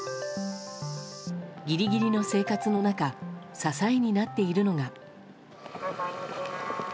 ギリギリの生活の中支えになっているのが。